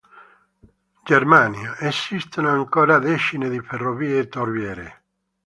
Germania: esistono ancora decine di ferrovie torbiere.